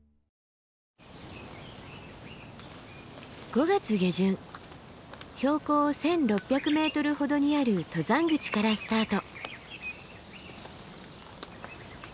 ５月下旬標高１，６００ｍほどにある登山口からスタート。